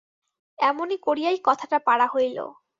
এমনি করিয়াই কথাটা পাড়া হইল।